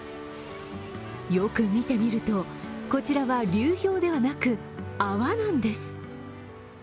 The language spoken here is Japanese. よく見てみると、こちらは流氷ではなく、泡なんです。